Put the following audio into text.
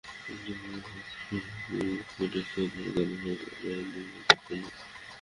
কিন্তু কাল শুরু ডমিনিকা টেস্টে অধিনায়ককে হতাশায় ডোবালেন ওয়েস্ট ইন্ডিজের ব্যাটসম্যানরা।